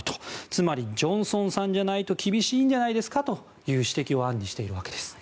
つまり、ジョンソンじゃないと厳しいんじゃないですかという指摘を暗にしているわけです。